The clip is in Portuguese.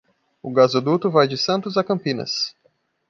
O gasoduto vai de Santos à Campinas